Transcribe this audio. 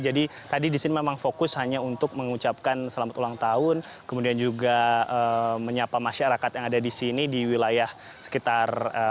jadi tadi di sini memang fokus hanya untuk mengucapkan selamat ulang tahun kemudian juga menyapa masyarakat yang ada di sini di wilayah sekitar